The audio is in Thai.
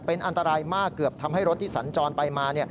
เป็นอันตรายมากเกือบทำให้รถที่สัญจรไปมา